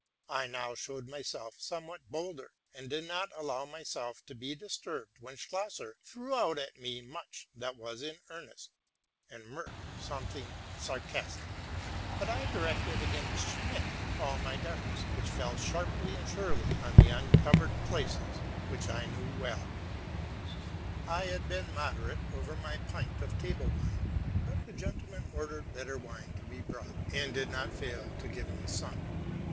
I now showed myself somewhat bolder, and did not allow myself to be disturbed when Schlosser threw out at me much that was in earnest, and Merck something sarcastic; but I directed against Schmid all my darts, which fell sharply and surely on the uncovered places, which I well knew. I had been moderate over my pint of table wine; but the gentlemen ordered better wine to be brought, and did not fail to give me some.